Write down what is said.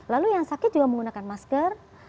lalu yang sakit juga menggunakan masker